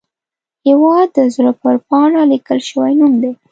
هیواد د زړه پر پاڼه لیکل شوی نوم دی